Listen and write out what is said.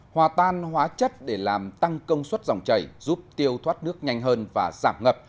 hòa tan hóa chất để làm tăng công suất dòng chảy giúp tiêu thoát nước nhanh hơn và giảm ngập